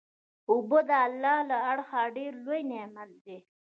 اوبه د الله له اړخه ډیر لوئ نعمت دی